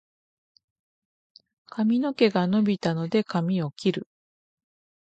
髪の毛が伸びたので、髪を切る。